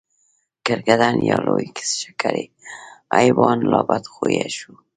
کرکدن یا لوی ښکری حیوان لا بدخویه شو.